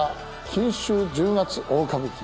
「錦秋十月大歌舞伎」。